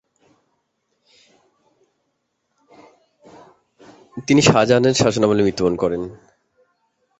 তিনি শাহজাহানের শাসনামলে মৃত্যুবরণ করেন।